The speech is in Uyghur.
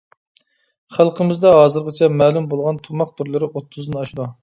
خەلقىمىزدە ھازىرغىچە مەلۇم بولغان تۇماق تۈرلىرى ئوتتۇزدىن ئاشىدۇ.